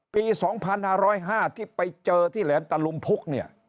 ปี๒๐๐๕ที่ไปเจอที่แหลมตะลุมพุก